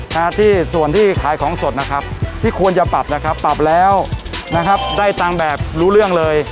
หน้าที่ส่วนที่ขายของสดนะครับที่ควรจะปรับนะครับปรับแล้วนะครับได้ตังค์แบบรู้เรื่องเลย